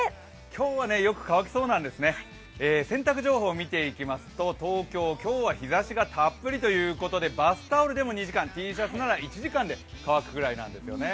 今日はよく乾きそうなんですね、洗濯情報を見ていきますと東京、今日は日ざしがたっぷりということでバスタオルでも２時間、Ｔシャツなら１時間で乾くぐらいなんですね。